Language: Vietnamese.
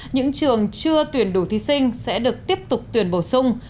những trường chưa tuyển đủ thí sinh sẽ được tiếp tục tuyển bổ sung